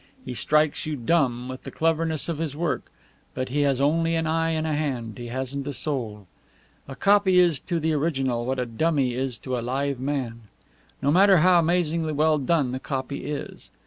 He strikes you dumb with the cleverness of his work, but he has only an eye and a hand he hasn't a soul. A copy is to the original what a dummy is to a live man, no matter how amazingly well done the copy is.